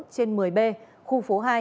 trên một mươi b khu phố hai